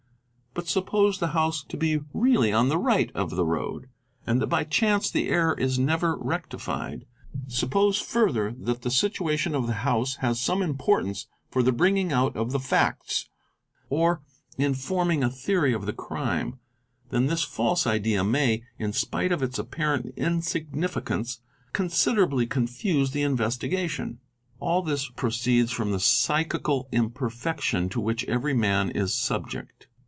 But suppose the house to be really on the right of the road and that by chance the error is never rectified ; suppose further that — the situation of the house has some importance for the bringing out of the facts or in forming a theory of the crime, then this false idea may, in spite of its apparent insignificance, considerably confuse the investi gation. All this really proceeds from psychical imperfection to which every man is subject.